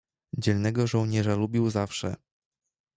"Dzielnego żołnierza lubił zawsze."